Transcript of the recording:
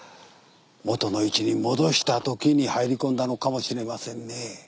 元の位置に戻したときに入り込んだのかもしれませんね。